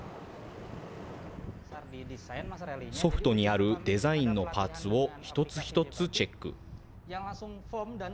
ソフトにあるデザインのパーツを一つ一つチェック。